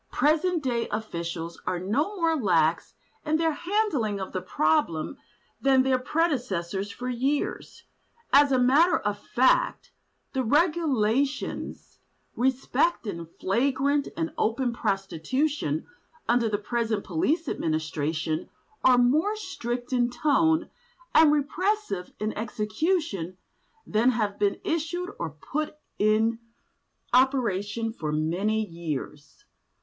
Present day public officials are no more lax in their handling of the problem than their predecessors for years; as a matter of fact, the regulations respecting flagrant and open prostitution under the present police administration, are more strict in tone, and repressive in execution than have been issued or put in operation for many years.